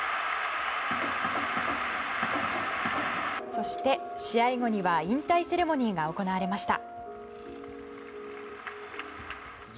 そして、試合後には引退セレモニーが行われました。